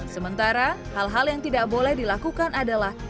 sementara hal hal yang tidak boleh dilakukan adalah